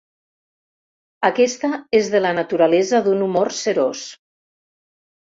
Aquesta és de la naturalesa d'un humor serós.